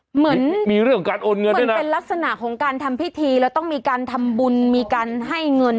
เหมือนเป็นลักษณะของการทำพิธีแล้วต้องมีการทำบุญมีการให้เงิน